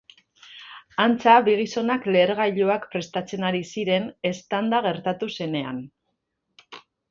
Antza, bi gizonak lehergailuak prestatzen ari ziren, eztanda gertatu zenean.